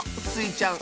ちゃん